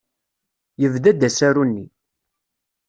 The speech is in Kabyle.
Yebda-d usaru-nni.